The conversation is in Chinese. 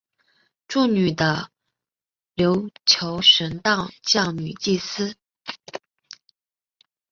祝女的琉球神道教女祭司。